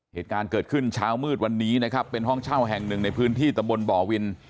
เหตุการณ์เกิดขึ้นเช้ามืดวันนี้นะครับเป็นห้องเช่าแห่งหนึ่งในพื้นที่ตำบลบ่อวิน